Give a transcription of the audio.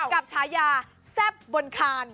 ฉายาแซ่บบนคาน